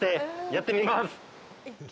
やってみます。